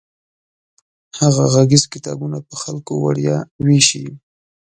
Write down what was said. هغه غږیز کتابونه په خلکو وړیا ویشي.